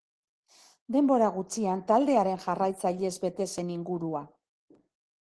Denbora gutxian, taldearen jarraitzailez bete zen ingurua.